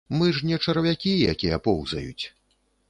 Мы ж не чарвякі, якія поўзаюць.